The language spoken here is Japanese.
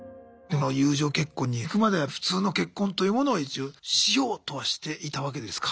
友情結婚にいくまでは普通の結婚というものを一応しようとはしていたわけですか？